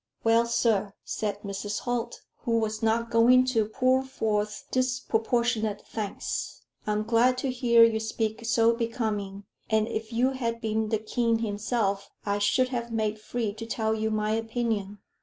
"Well, sir," said Mrs. Holt, who was not going to pour forth disproportionate thanks, "I am glad to hear you speak so becoming; and if you had been the king himself, I should have made free to tell you my opinion.